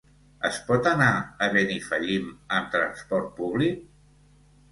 Es pot anar a Benifallim amb transport públic?